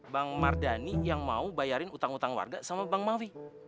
bang mardhani yang mau bayarin utang utang warga sama bang mahfi